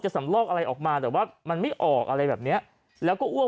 สำลอกอะไรออกมาแต่ว่ามันไม่ออกอะไรแบบเนี้ยแล้วก็อ้วก